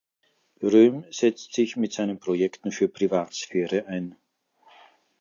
Röhm setzt sich mit seinen Projekten für Privatsphäre ein.